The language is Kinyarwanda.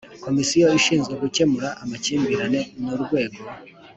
Komisiyo ishinzwe gukemura amakimbirane ni urwego